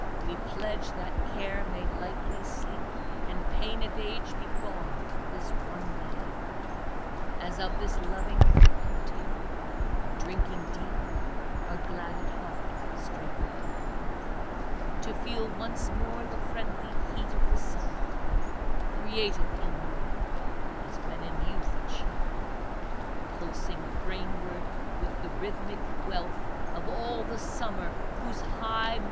we pledge, that care may lightly sleepy And pain of age be gone for this one day, As of this loving cup you take, and, drinking deep, Are glad at heart straightway To feel once more the friendly heat of the sun Creative in you, (as when in youth it shone,') And pulsing brainward with the rhythmic wealth Of all the summer whose high mi?